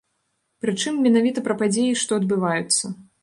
Прычым, менавіта пра падзеі, што адбываюцца.